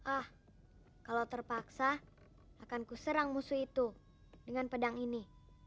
ah kalau terpaksa akan ku serang musuh itu dengan pedang ini